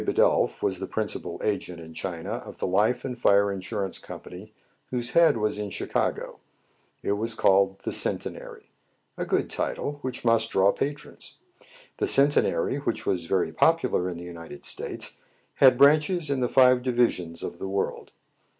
Bidulph was the principal agent in China of the life and fire insurance company whose head was in Chicago. It was called the Ce7ttenary, — a good title, which must draw pa trons. The Centenary, which was yery popular in the United States, had branches in the five divisions of the world.